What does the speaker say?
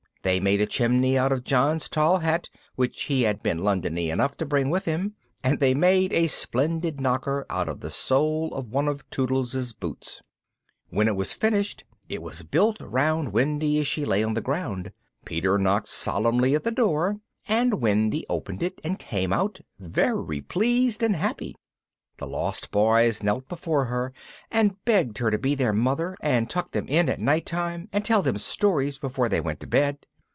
They made a chimney out of John's tall hat, which he had been Londony enough to bring with him, and they made a splendid knocker out of the sole of one of Tootles' boots. When it was finished it was built round Wendy as she lay on the ground Peter knocked solemnly at the door, and Wendy opened it and came out, very pleased and happy. The Lost Boys knelt before her, and begged her to be their Mother, and tuck them in at night time, and tell them stories before they went to bed.